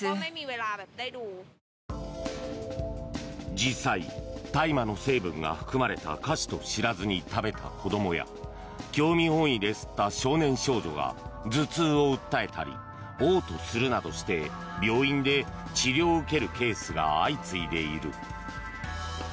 実際、大麻の成分が含まれた菓子と知らずに食べた子供や興味本位で吸った少年少女が頭痛を訴えたり嘔吐するなどして病院で治療を受けるケースが相次いでいる。